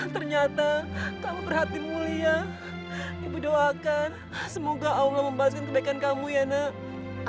ternyata kamu berhati mulia ibu doakan semoga allah membahas kebaikan kamu ya nak